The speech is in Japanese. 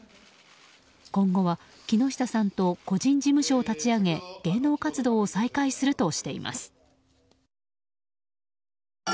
今後は木下さんと個人事務所を立ち上げ芸能活動を再開するとしています。